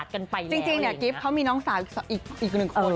จริงเนี่ยกิฟต์เขามีน้องสาวอีกหนึ่งคน